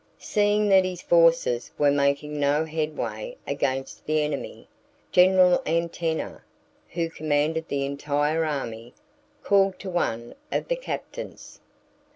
Seeing that his forces were making no headway against the enemy, General Antenna, who commanded the entire army, called to one of the captains.